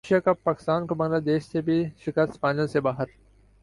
Asia cup Pakistan کو Bangladesh سے بھی شکست فائنل سے باہر